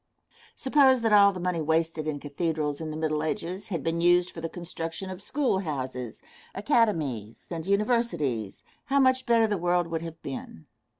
Suppose that all the money wasted in cathedrals in the Middle Ages had been used for the construction of schoolhouses, academies, and universities, how much better the world would have been!